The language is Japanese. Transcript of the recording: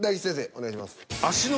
お願いします。